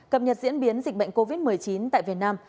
cập nhật diễn biến dịch bệnh covid một mươi chín tại việt nam